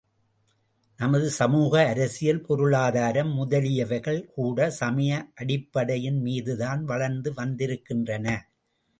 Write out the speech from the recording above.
நமது சமூக அரசியல் பொருளாதாரம் முதலியவைகள் கூட சமய அடிப்படையின் மீதுதான் வளர்ந்து வந்திருக்கின்றன.